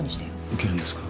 受けるんですか？